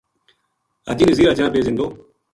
حاجی نزیر اجاں بے زندو